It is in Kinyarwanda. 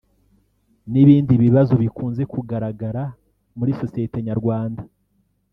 n’ibindi bibazo bikunze kugaragara muri sosiyete nyarwanda